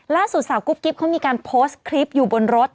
สาวกุ๊กกิ๊บเขามีการโพสต์คลิปอยู่บนรถ